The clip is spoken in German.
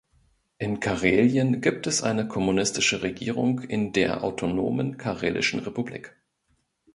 In Karelien gibt es eine kommunistische Regierung in der autonomen Karelischen Republik.